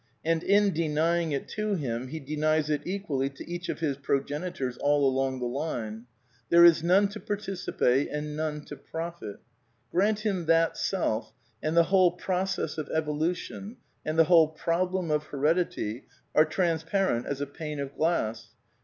And in denying it to him he denies it equally to each of his progenitors all along the line. There is none to participate and none to profitr^ Orant him that self, and the whole process of evolution and the whole problem of heredity are transparent as a pane of glass.